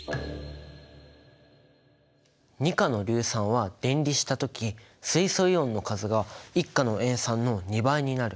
２価の硫酸は電離した時水素イオンの数が１価の塩酸の２倍になる。